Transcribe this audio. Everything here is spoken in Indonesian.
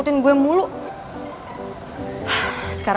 sekarang gue mau tidur